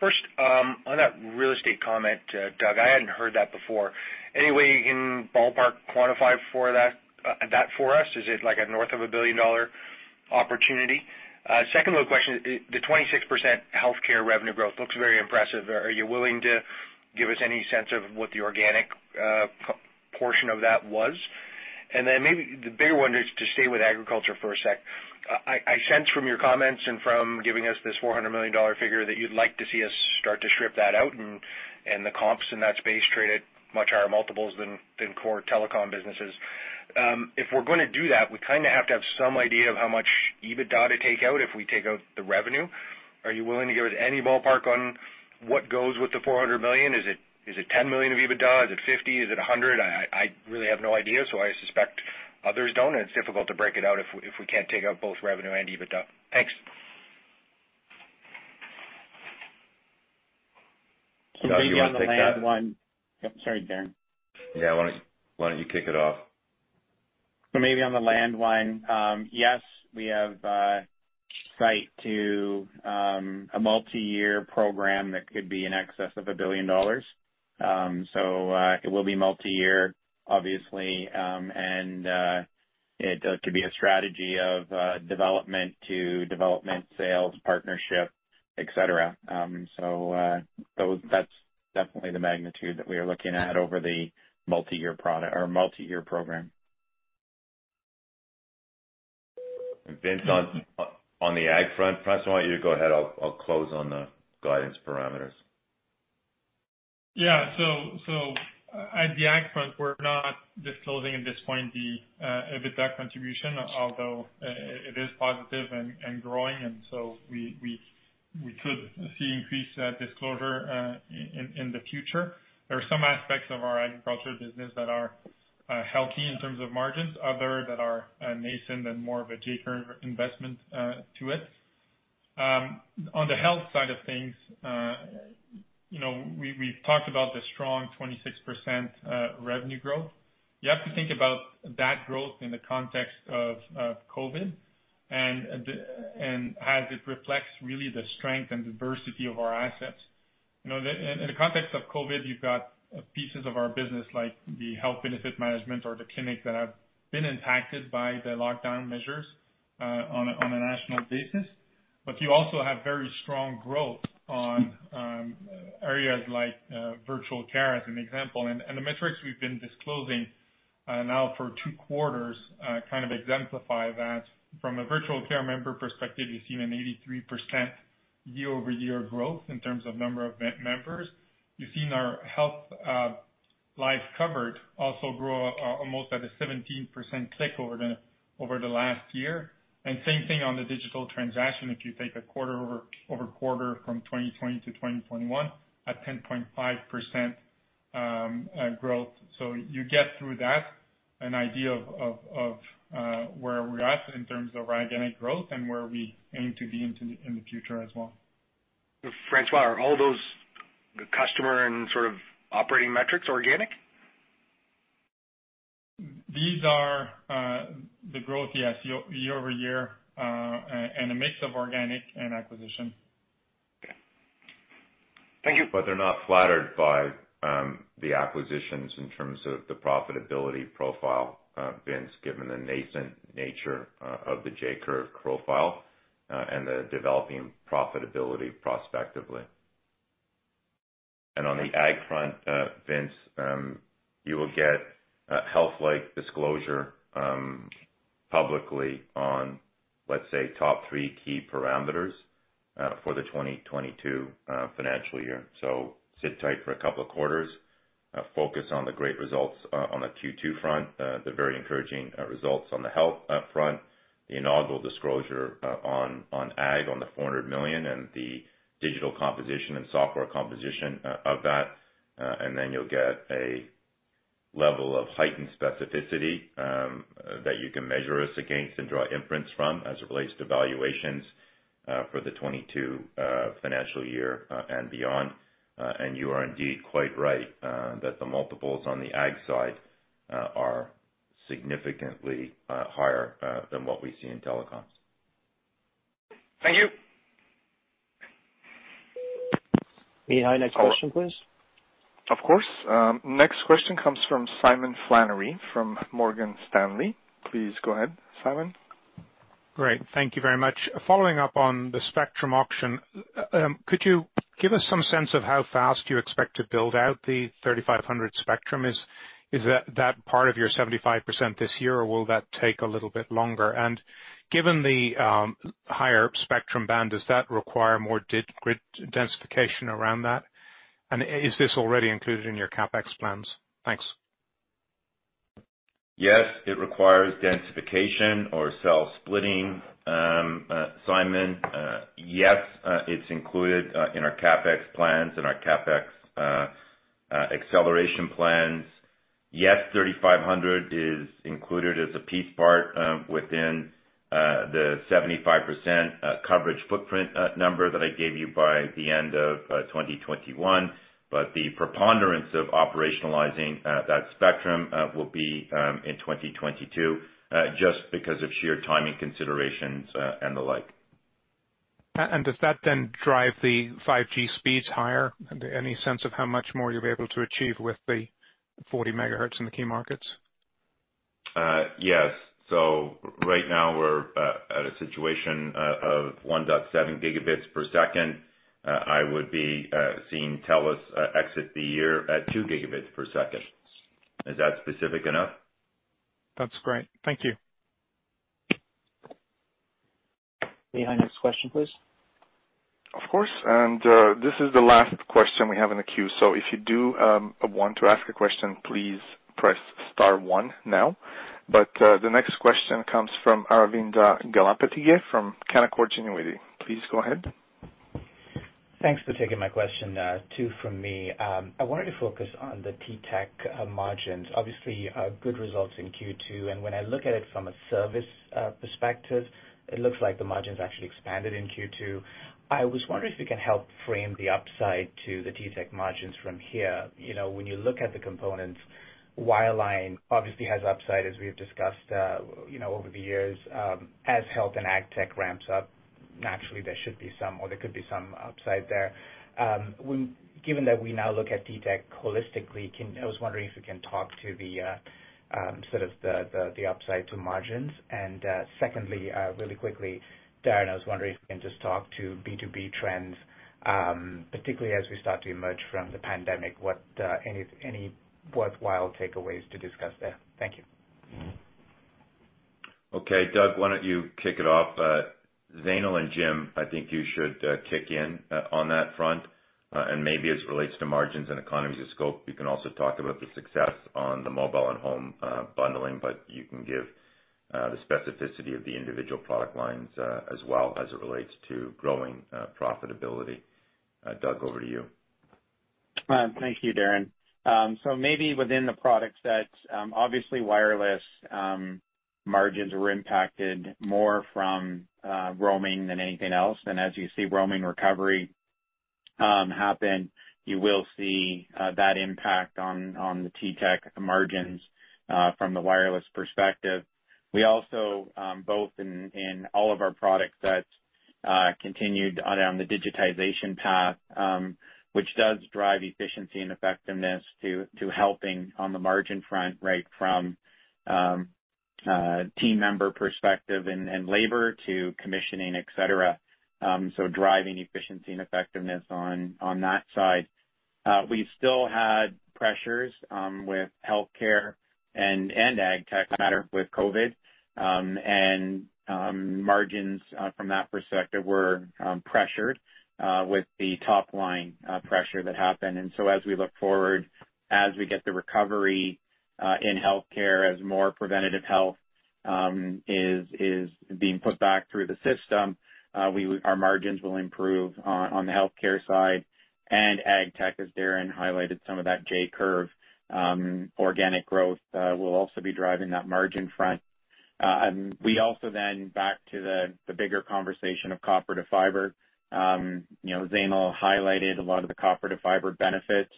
First, on that real estate comment, Doug, I hadn't heard that before. Any way you can ballpark quantify that for us? Is it like a north of a billion-dollar opportunity? Second little question, the 26% healthcare revenue growth looks very impressive. Are you willing to give us any sense of what the organic portion of that was? Maybe the bigger one is to stay with agriculture for a sec. I sense from your comments and from giving us this 400 million dollar figure that you'd like to see us start to strip that out and the comps in that space trade at much higher multiples than core telecom businesses. If we're going to do that, we kind of have to have some idea of how much EBITDA to take out if we take out the revenue. Are you willing to give us any ballpark on what goes with the 400 million? Is it 10 million of EBITDA? Is it 50 million? Is it 100 million? I really have no idea, so I suspect others don't, and it's difficult to break it out if we can't take out both revenue and EBITDA. Thanks. Doug, you want to take that? Maybe on the land one. Oh, sorry, Darren. Yeah, why don't you kick it off? Maybe on the land one, yes, we have sight to a multi-year program that could be in excess of 1 billion dollars. It will be multi-year, obviously. It could be a strategy of development to development sales, partnership, et cetera. That's definitely the magnitude that we are looking at over the multi-year program. Vince, on the Ag front, François, why don't you go ahead? I'll close on the guidance parameters. Yeah. At the Ag front, we're not disclosing at this point the EBITDA contribution, although it is positive and growing, and so we could see increased disclosure in the future. There are some aspects of our Agriculture business that are healthy in terms of margins, others that are nascent and more of a J curve investment to it. On the Health side of things, we've talked about the strong 26% revenue growth. You have to think about that growth in the context of COVID and as it reflects really the strength and diversity of our assets. In the context of COVID, you've got pieces of our business, like the Health benefit management or the clinic that have been impacted by the lockdown measures on a national basis. You also have very strong growth on areas like virtual care, as an example. The metrics we've been disclosing now for two quarters kind of exemplify that. From a virtual care member perspective, you've seen an 83% year-over-year growth in terms of number of members. You've seen our health lives covered also grow almost at a 17% click over the last year. Same thing on the digital transaction, if you take a quarter-over-quarter from 2020-2021, at 10.5% growth. You get through that an idea of where we're at in terms of organic growth and where we aim to be in the future as well. François, are all those customer and sort of operating metrics organic? These are the growth, yes, year-over-year, and a mix of organic and acquisition. Thank you. They're not flattered by the acquisitions in terms of the profitability profile, Vince, given the nascent nature of the J-curve profile and the developing profitability prospectively. On the Agriculture front, Vince, you will get Health-like disclosure publicly on, let's say, top three key parameters for the 2022 financial year. Sit tight for a couple of quarters. Focus on the great results on the Q2 front, the very encouraging results on the Health front, the inaugural disclosure on Agriculture on the 400 million, and the digital composition and software composition of that. You'll get a level of heightened specificity that you can measure us against and draw imprints from as it relates to valuations for the 2022 financial year and beyond. You are indeed quite right that the multiples on the Agriculture side are significantly higher than what we see in telecoms. Thank you. Mihai, next question, please. Of course. Next question comes from Simon Flannery from Morgan Stanley. Please go ahead, Simon. Great. Thank you very much. Following up on the spectrum auction, could you give us some sense of how fast you expect to build out the 3500 spectrum? Is that part of your 75% this year, or will that take a little bit longer? Given the higher spectrum band, does that require more grid densification around that? Is this already included in your CapEx plans? Thanks. Yes, it requires densification or cell splitting, Simon. Yes, it's included in our CapEx plans and our CapEx acceleration plans. Yes, 3,500 is included as a piece part within the 75% coverage footprint number that I gave you by the end of 2021. The preponderance of operationalizing that spectrum will be in 2022, just because of sheer timing considerations and the like. Does that then drive the 5G speeds higher? Any sense of how much more you'll be able to achieve with the 40 MHz in the key markets? Yes. Right now we're at a situation of 1.7 Gbps. I would be seeing TELUS exit the year at 2 Gbps. Is that specific enough? That's great. Thank you. Mihai, next question, please. Of course. This is the last question we have in the queue. If you do want to ask a question, please press star one now. The next question comes from Aravinda Galappatthige from Canaccord Genuity. Please go ahead. Thanks for taking my question. Two from me. I wanted to focus on the T-Tech margins. Obviously, good results in Q2, and when I look at it from a service perspective, it looks like the margins actually expanded in Q2. I was wondering if you can help frame the upside to the T-Tech margins from here. When you look at the components, wireline obviously has upside, as we've discussed over the years. As Health and Agriculture Tech ramps up, naturally, there should be some, or there could be some upside there. Given that we now look at T-Tech holistically, I was wondering if you can talk to the upside to margins, and secondly, really quickly, Darren, I was wondering if you can just talk to B2B trends, particularly as we start to emerge from the pandemic, any worthwhile takeaways to discuss there. Thank you. Okay. Doug, why don't you kick it off? Zainul and Jim, I think you should kick in on that front. Maybe as it relates to margins and economies of scope, you can also talk about the success on the mobile and home bundling, but you can give the specificity of the individual product lines as well as it relates to growing profitability. Doug, over to you. Thank you, Darren. Maybe within the product sets, obviously wireless margins were impacted more from roaming than anything else. As you see roaming recovery happen, you will see that impact on the T-Tech margins from the wireless perspective. We also, both in all of our product sets, continued on the digitization path, which does drive efficiency and effectiveness to helping on the margin front right from team member perspective and labor to commissioning, etc. Driving efficiency and effectiveness on that side. We still had pressures with Health and Agriculture, for that matter, with COVID. Margins from that perspective were pressured with the top-line pressure that happened. As we look forward, as we get the recovery in healthcare, as more preventative health is being put back through the system, our margins will improve on the healthcare side and Agriculture Tech, as Darren highlighted some of that J-curve organic growth will also be driving that margin front. We also, back to the bigger conversation of copper to fiber. Zainul highlighted a lot of the copper to fiber benefits,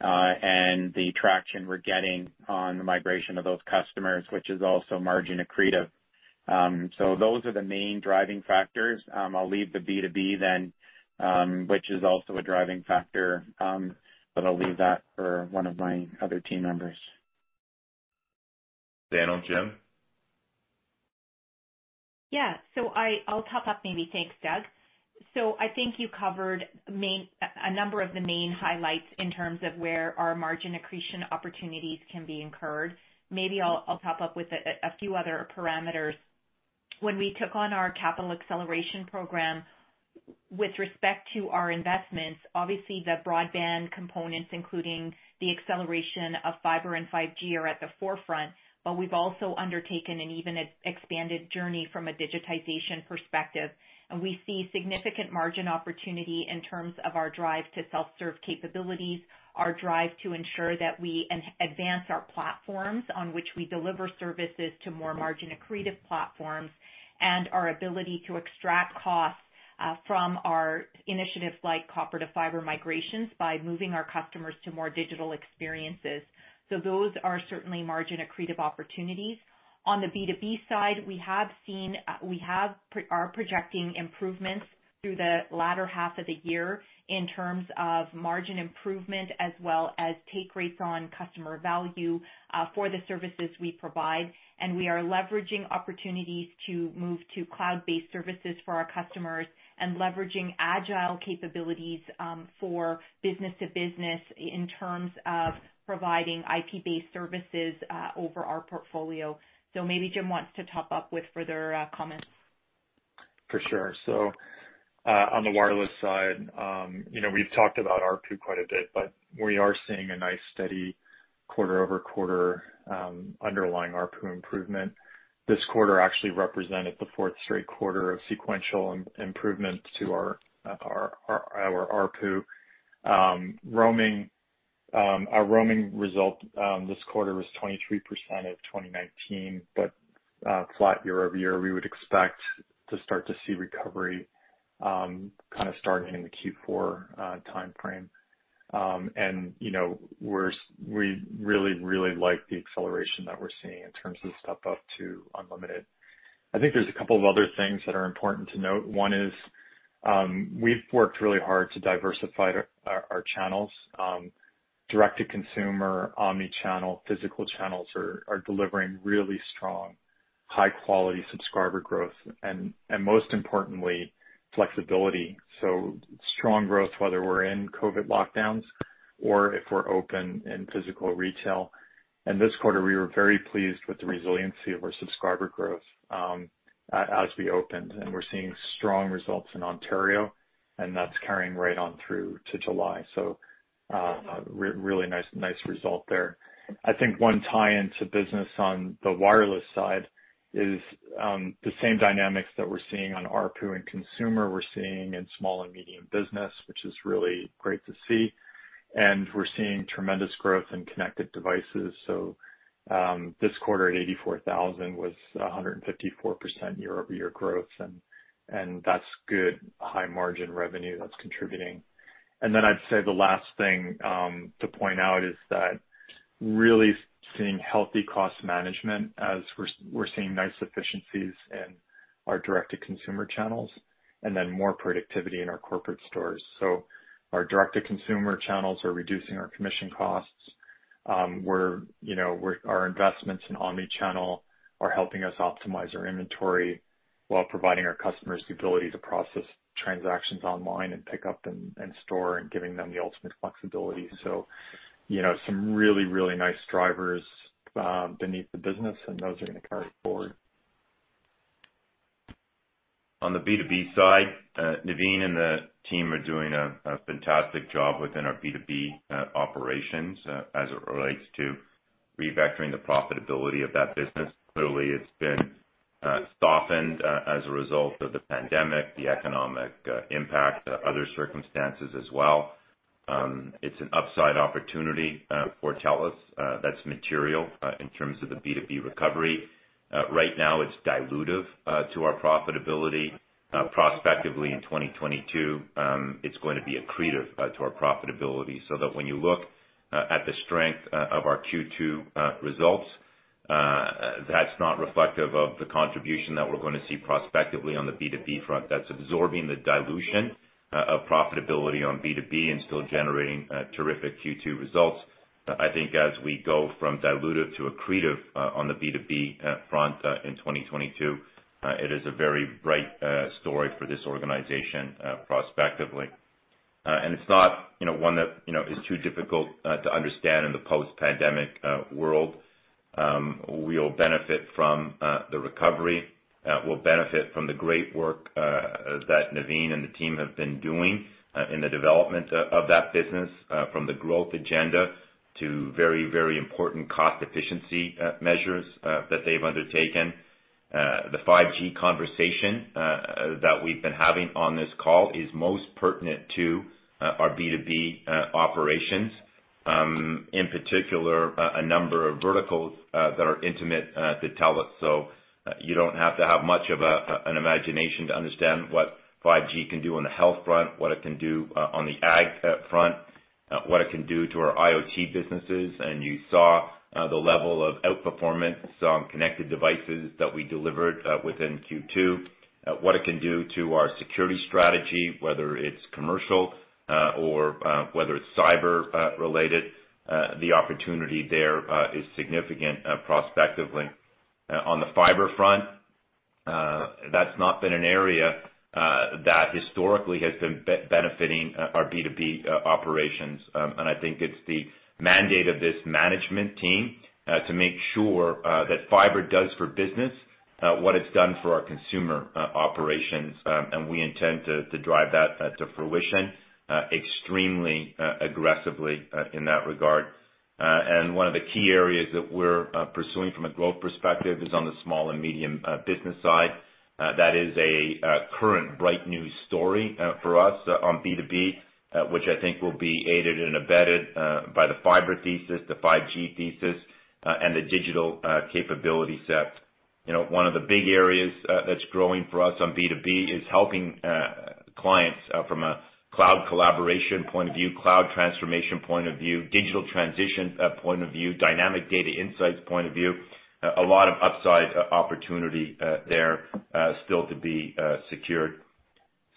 and the traction we're getting on the migration of those customers, which is also margin accretive. Those are the main driving factors. I'll leave the B2B then, which is also a driving factor, but I'll leave that for one of my other team members. Zainul or Jim? Yeah. I'll top up maybe. Thanks, Doug. I think you covered a number of the main highlights in terms of where our margin accretion opportunities can be incurred. Maybe I'll top up with a few other parameters. When we took on our Capital Acceleration Program with respect to our investments, obviously the broadband components, including the acceleration of fibre and 5G are at the forefront, we've also undertaken an even expanded journey from a digitization perspective, and we see significant margin opportunity in terms of our drive to self-serve capabilities, our drive to ensure that we advance our platforms on which we deliver services to more margin accretive platforms, and our ability to extract costs from our initiatives like copper-to-fibre migrations by moving our customers to more digital experiences. Those are certainly margin accretive opportunities. On the B2B side, we are projecting improvements through the latter half of the year in terms of margin improvement, as well as take rates on customer value for the services we provide. We are leveraging opportunities to move to cloud-based services for our customers and leveraging agile capabilities for business to business in terms of providing IP-based services over our portfolio. Maybe Jim wants to top up with further comments. For sure. On the wireless side, we've talked about ARPU quite a bit, but we are seeing a nice steady quarter-over-quarter underlying ARPU improvement. This quarter actually represented the fourth straight quarter of sequential improvement to our ARPU. Our roaming result this quarter was 23% of 2019, but flat year-over-year. We would expect to start to see recovery starting in the Q4 timeframe. We really like the acceleration that we're seeing in terms of the step-up to unlimited. I think there's a couple of other things that are important to note. One is, we've worked really hard to diversify our channels. Direct-to-consumer, omni-channel, physical channels are delivering really strong, high-quality subscriber growth and most importantly, flexibility. Strong growth whether we're in COVID lockdowns or if we're open in physical retail. This quarter, we were very pleased with the resiliency of our subscriber growth as we opened. We're seeing strong results in Ontario, and that's carrying right on through to July. A really nice result there. I think one tie-in to business on the wireless side is the same dynamics that we're seeing on ARPU and consumer, we're seeing in small and medium business, which is really great to see, and we're seeing tremendous growth in connected devices. This quarter at 84,000 was 154% year-over-year growth, and that's good high margin revenue that's contributing. Then I'd say the last thing to point out is that really seeing healthy cost management as we're seeing nice efficiencies in our direct-to-consumer channels, and then more productivity in our corporate stores. Our direct-to-consumer channels are reducing our commission costs. Our investments in omni-channel are helping us optimize our inventory while providing our customers the ability to process transactions online and pick up in store and giving them the ultimate flexibility. Some really, really nice drivers beneath the business, and those are going to carry forward. On the B2B side, Navin and the team are doing a fantastic job within our B2B operations as it relates to re-vectoring the profitability of that business. Clearly, it's been softened as a result of the pandemic, the economic impact, other circumstances as well. It's an upside opportunity for TELUS that's material in terms of the B2B recovery. Right now, it's dilutive to our profitability. Prospectively in 2022, it's going to be accretive to our profitability, so that when you look at the strength of our Q2 results, that's not reflective of the contribution that we're going to see prospectively on the B2B front. That's absorbing the dilution of profitability on B2B and still generating terrific Q2 results. I think as we go from dilutive to accretive on the B2B front in 2022, it is a very bright story for this organization prospectively. It's not one that is too difficult to understand in the post-pandemic world. We'll benefit from the recovery. We'll benefit from the great work that Navin and the team have been doing in the development of that business, from the growth agenda to very, very important cost efficiency measures that they've undertaken. The 5G conversation that we've been having on this call is most pertinent to our B2B operations. In particular, a number of verticals that are intimate to TELUS. You don't have to have much of an imagination to understand what 5G can do on the health front, what it can do on the ag front. What it can do to our IoT businesses, and you saw the level of outperformance on connected devices that we delivered within Q2, what it can do to our security strategy, whether it's commercial or whether it's cyber-related, the opportunity there is significant prospectively. On the fiber front, that's not been an area that historically has been benefiting our B2B operations. I think it's the mandate of this management team to make sure that fiber does for business what it's done for our consumer operations, and we intend to drive that to fruition extremely aggressively in that regard. One of the key areas that we're pursuing from a growth perspective is on the small and medium business side. That is a current bright news story for us on B2B, which I think will be aided and abetted by the fiber thesis, the 5G thesis, and the digital capability set. One of the big areas that's growing for us on B2B is helping clients from a cloud collaboration point of view, cloud transformation point of view, digital transition point of view, dynamic data insights point of view. A lot of upside opportunity there still to be secured.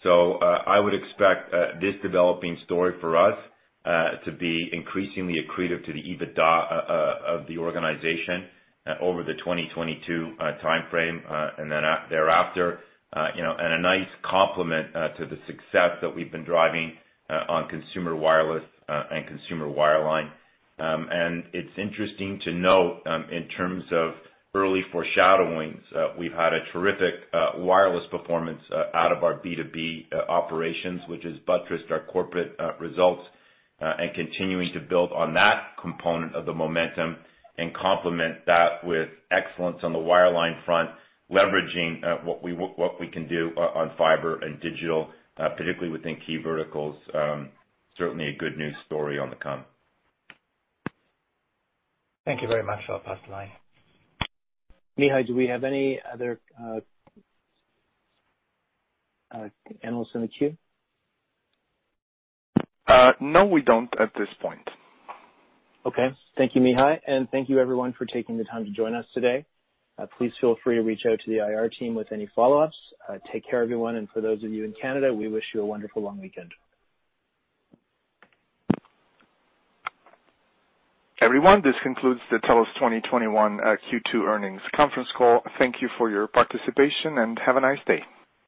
I would expect this developing story for us to be increasingly accretive to the EBITDA of the organization over the 2022 timeframe and thereafter, and a nice complement to the success that we've been driving on consumer wireless and consumer wireline. It's interesting to note, in terms of early foreshadowings, we've had a terrific wireless performance out of our B2B operations, which has buttressed our corporate results, and continuing to build on that component of the momentum and complement that with excellence on the wireline front, leveraging what we can do on fiber and digital, particularly within key verticals. Certainly a good news story on the come. Thank you very much, Robert Mitchell. Mihai, do we have any other analysts in the queue? No, we don't at this point. Okay. Thank you, Mihai. Thank you everyone for taking the time to join us today. Please feel free to reach out to the IR team with any follow-ups. Take care, everyone. For those of you in Canada, we wish you a wonderful long weekend. Everyone, this concludes the TELUS 2021 Q2 earnings conference call. Thank you for your participation, have a nice day.